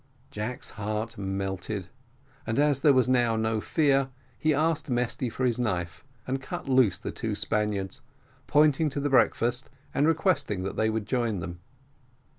Jack's heart melted, and as there was now no fear, he asked Mesty for his knife, and cut loose the two Spaniards, pointing to the breakfast, and requesting that they would join them.